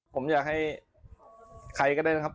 ผมอยากให้ใครก็ได้นะครับ